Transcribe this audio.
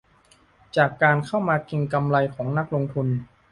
จากการเข้ามาเก็งกำไรของนักลงทุน